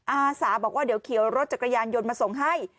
อาสาบอกว่าเดี๋ยวเขียวรถจักรยานยนต์มาส่งให้